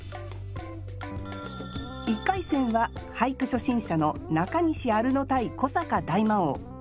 １回戦は俳句初心者の中西アルノ対古坂大魔王。